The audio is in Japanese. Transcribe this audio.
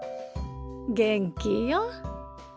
元気よ。